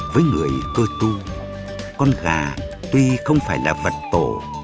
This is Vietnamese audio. với người cơ tu con gà tuy không phải là vật tổ